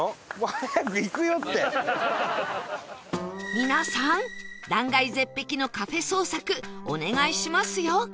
皆さん断崖絶壁のカフェ捜索お願いしますよ